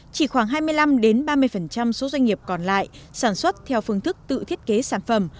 chỉ khoảng hai mươi năm ba mươi số doanh nghiệp còn lại sản xuất theo phương thức tự thiết kế sản phẩm